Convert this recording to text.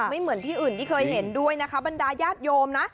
เหมือนที่อื่นที่เคยเห็นด้วยนะคะบรรดาญาติโยมนะ